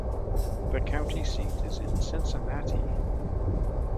The county seat is Cincinnati.